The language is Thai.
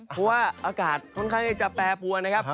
เพราะว่าอากาศค่อนข้างที่จะแปรปวนนะครับ